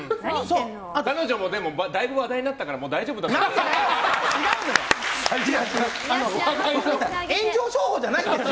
彼女もだいぶ話題になったからもう大丈夫だと思うよ。